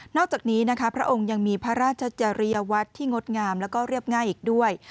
อกจากนี้นะคะพระองค์ยังมีพระราชจริยวัตรที่งดงามแล้วก็เรียบง่ายอีกด้วย